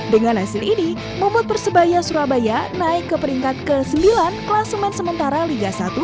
dengan hasil ini membuat persebaya surabaya naik ke peringkat ke sembilan klasemen sementara liga satu